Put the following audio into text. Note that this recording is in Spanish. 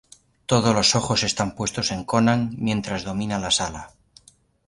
Todos los ojos están puestos en Conan, mientras domina la sala.